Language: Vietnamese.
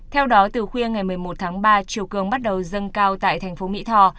theo đó từ khuya ngày một mươi một tháng ba chiều cường bắt đầu dâng cao tại thành phố mỹ tho